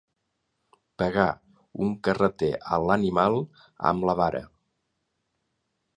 Pegar un carreter a l'animal amb la vara.